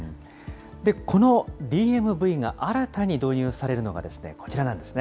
このＤＭＶが新たに導入されるのが、こちらなんですね。